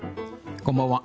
こんばんは。